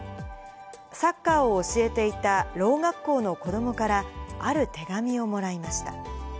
サッカーを教えていたろう学校の子どもから、ある手紙をもらいました。